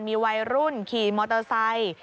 มีวัยรุ่นขี่มอเตอร์ไซค์